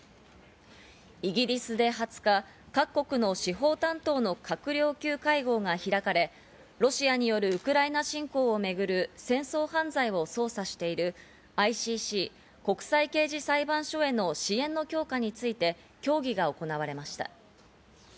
イギリスで２０日、各国の司法担当の閣僚級会合が開かれ、ロシアによるウクライナ侵攻をめぐる戦争犯罪を捜査しているＩＣＣ＝国際刑事裁判所への支援の強化について協議が行われました。